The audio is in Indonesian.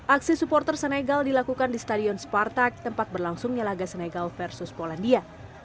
aksi supporter senegal dilakukan di stadion spartak tempat berlangsungnya laga senegal versus polandia